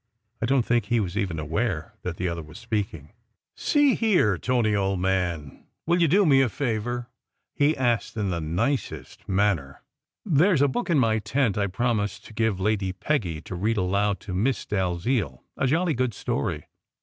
I don t think he was even aware that the other was speaking. "See here, Tony, old man, will you do me a favour?" he asked in his nicest manner. "There s a book in my tent I promised to give Lady Peggy, to read aloud to Miss Dalziel a jolly good story